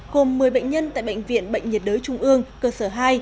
gồm một mươi bệnh nhân tại bệnh viện bệnh nhiệt đới trung ương cơ sở hai